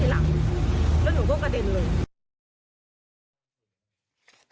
แล้วหนูก็กระเด็นเลย